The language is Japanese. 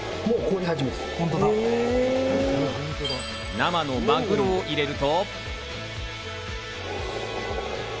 生のマグロを入れると。